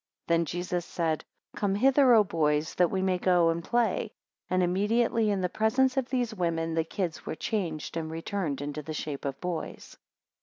10 Then Jesus said, Come hither, O boys, that we may go and play; and immediately, in the presence of these women, the kids were changed, and returned into the shape of boys.